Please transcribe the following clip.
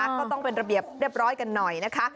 ก็ต้องเป็นระเบียบเรียบร้อยกันหน่อยนะคะ